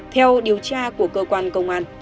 theo điều tra của cơ quan công an